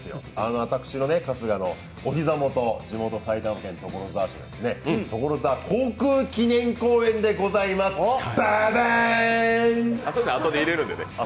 私、春日のお膝元、地元・埼玉県所沢市の所沢航空記念公園でございます、ババーン！